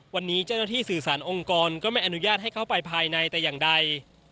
วันนี้เจ้าหน้าที่สื่อสารองค์กรก็ไม่อนุญาตให้เข้าไปภายในแต่อย่างใด